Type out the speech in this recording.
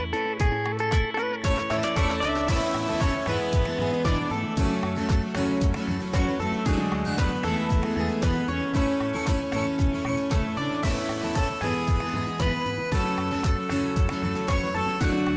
สวัสดีครับสวัสดีครับ